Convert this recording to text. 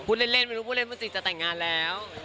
บุญเล่นเมื่อกี้จริงจะแต่งงานแล้ว